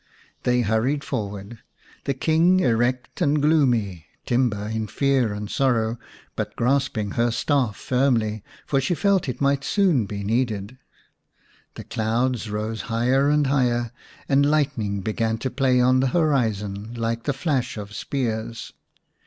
They hurried forward, the King erect and gloomy, Timba in fear and sorrow, but grasping her staff firmly, for she felt it might soon be needed. The clouds rose higher and higher, and lightning began to play on the horizon like the flash of spears.